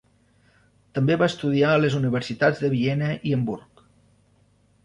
També va estudiar a les universitats de Viena i Hamburg.